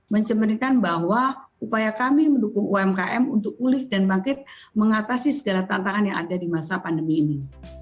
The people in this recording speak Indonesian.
mencemerikan bahwa upaya kami mendukung umkm untuk pulih dan bangkit mengatasi segala tantangan yang ada di masa pandemi ini